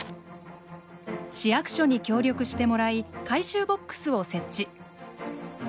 市役所に協力してもらい回収ボックスを設置。